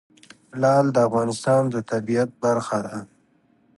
لعل د افغانستان د طبیعت برخه ده.